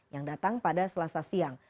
yang datang pada selasa siang